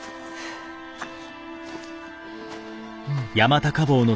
あっ。